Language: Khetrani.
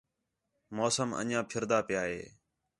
موسم انڄیاں پِھردا پِیا ہِے